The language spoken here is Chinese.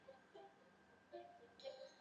正统十三年九月二十一日戌时出生。